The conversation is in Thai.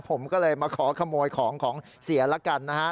ผมก็เลยมาขอขโมยของของเสียแล้วกันนะฮะ